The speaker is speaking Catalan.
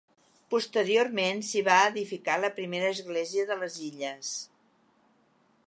Posteriorment s'hi va edificar la primera església de les illes.